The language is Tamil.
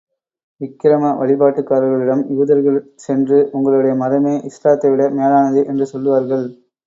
விக்கிரக வழிபாட்டுக்காரர்களிடம் யூதர்கள் சென்று உங்களுடைய மதமே இஸ்லாத்தைவிட மேலானது என்று சொல்லுவார்கள்.